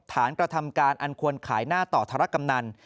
กระทำการอันควรขายหน้าต่อธรกำนัน